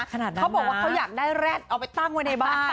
เขาบอกว่าเขาอยากได้แรดเอาไปตั้งไว้ในบ้าน